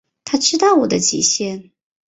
他知道我的极限